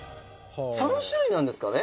「３種類なんですかね？」